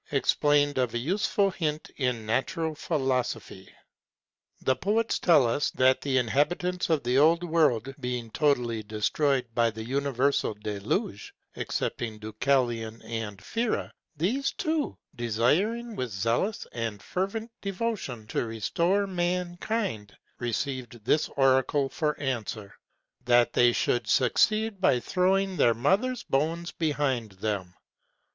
EXPLAINED OF A USEFUL HINT IN NATURAL PHILOSOPHY. The poets tell us, that the inhabitants of the old world being totally destroyed by the universal deluge, excepting Deucalion and Pyrrha, these two, desiring with zealous and fervent devotion to restore mankind, received this oracle for answer, that "they should succeed by throwing their mother's bones behind them."